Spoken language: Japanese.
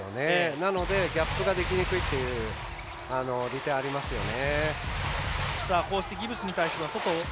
なので、ギャップができにくいという利点がありますよね。